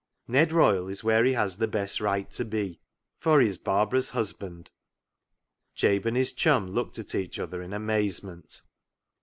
Ned Royle is where he has the best right to be, for he is Barbara's husband." Jabe and his chum looked at each other in amazement.